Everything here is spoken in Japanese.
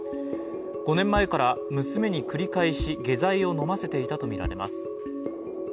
５年前から娘に繰り返し下剤を飲ませていたとみられます。